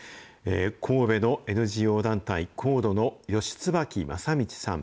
神戸のＮＧＯ団体ＣＯＤＥの吉椿雅道さん。